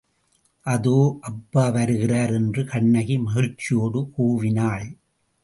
அதோ, அப்பா வருகிறார் என்று கண்ணகி மகிழ்ச்சியோடு கூவினாள்.